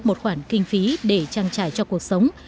một khoản kinh phí để trang trải cho cuộc sống